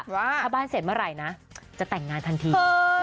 ว่าถ้าบ้านเสร็จเมื่อไหร่นะจะแต่งงานทันที